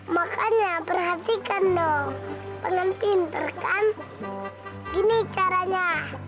makanya perhatikan dong pengen pinter kan gini caranya